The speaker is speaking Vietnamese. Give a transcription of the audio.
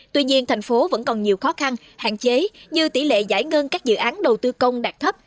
tuy nhiên thành phố vẫn còn nhiều khó khăn hạn chế như tỷ lệ giải ngân các dự án đầu tư công đạt thấp